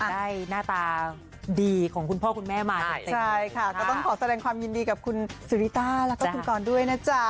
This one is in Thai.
ได้หน้าตาดีของคุณพ่อคุณแม่มากเลย